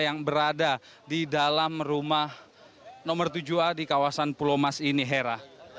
yang berada di dalam rumah nomor tujuh a di kawasan pulau mas ini hera